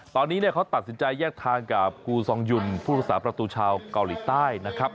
ตอนนี้เขาตัดสินใจแยกทางกับกูซองยุนผู้รักษาประตูชาวเกาหลีใต้นะครับ